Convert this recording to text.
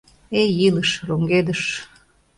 Эй, илыш — роҥгедыш!